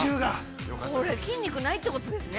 これ、筋肉ないということですね。